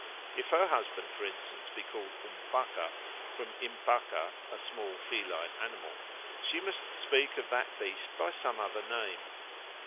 If her husband, for instance, be called u Mpaka, from impaka, a small feline animal, she must speak of that beast by some other name.